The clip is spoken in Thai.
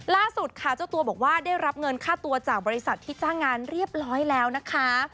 ล่าสุดค่ะเจ้าตัวบอกว่าได้รับเงินค่าตัวจากบริษัทที่จ้างงานเรียบร้อยแล้วนะคะ